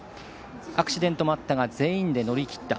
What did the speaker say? アクシデントもあったが全員で乗り切った。